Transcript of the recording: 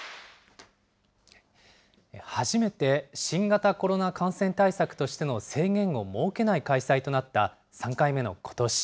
初めて新型コロナ感染対策としての制限を設けない開催となった、３回目のことし。